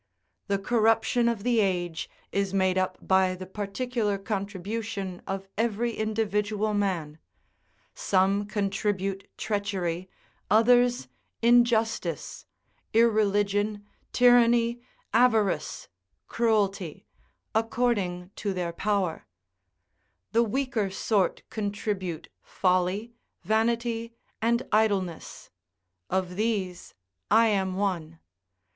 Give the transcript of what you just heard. The corruption of the age is made up by the particular contribution of every individual man; some contribute treachery, others injustice, irreligion, tyranny, avarice, cruelty, according to their power; the weaker sort contribute folly, vanity, and idleness; of these I am one.